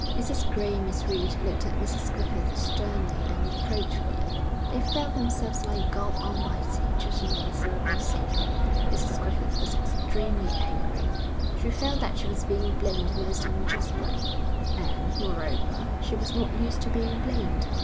Mrs Gray and Miss Reed looked at Mrs Griffith sternly and reproachfully; they felt themselves like God Almighty judging a miserable sinner. Mrs Griffith was extremely angry; she felt that she was being blamed most unjustly, and, moreover, she was not used to being blamed.